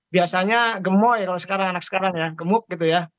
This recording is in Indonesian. biasanya gemoy kalau sekarang anak anak sekarang ya gemuk gitu ya